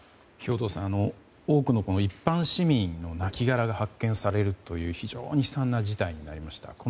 兵頭さん、多くの一般市民の亡きがらが発見されるという非常に悲惨な事態になりました。